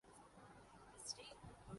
جوابوں والے سوال پوچھنا بھی زیادتی ہے